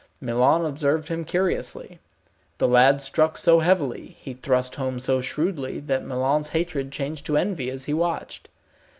Milon observed him curiously. The lad struck so heavily, he thrust home so shrewdly, that Milon's hatred changed to envy as he watched.